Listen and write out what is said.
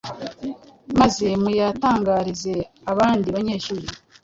maze muyatangarize abandi banyeshuri.